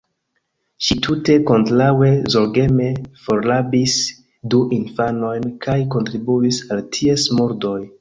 Ŝi tute kontraŭe, zorgeme forrabis du infanojn kaj kontribuis al ties murdoj.